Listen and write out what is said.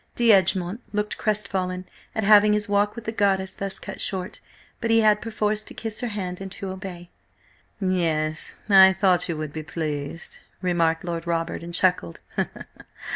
D'Egmont looked very crestfallen at having his walk with the goddess thus cut short, but he had perforce to kiss her hand and to obey. "Yes. I thought you would be pleased," remarked Lord Robert, and chuckled.